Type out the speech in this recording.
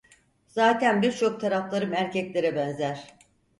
Zaten birçok taraflarım erkeklere benzer…